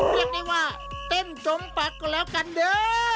เรียกได้ว่าเต้นจมปักก็แล้วกันเด้อ